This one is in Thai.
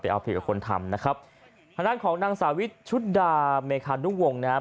ไปเอาผิดกับคนทำนะครับคณะของนางสาวิทชุดดาเมริกาดุ้งวงนะฮะ